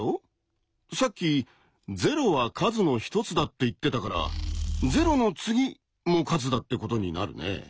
さっき「『０』は数の一つだ」って言ってたから「『０』の次も数だ」ってことになるね。